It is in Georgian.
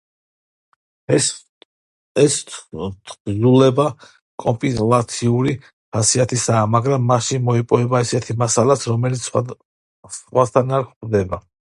ეს თხზულება კომპილაციური ხასიათისაა, მაგრამ მასში მოიპოვება ისეთი მასალაც, რომელიც სხვასთან არ გვხვდება.